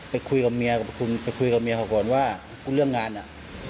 ไปคุยกับเมียกับคุณไปคุยกับเมียเขาก่อนว่าคุณเรื่องงานอ่ะ